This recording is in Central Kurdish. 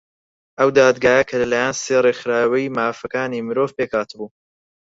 ئەو دادگایە کە لەلایەن سێ ڕێکخراوەی مافەکانی مرۆڤ پێک هاتبوو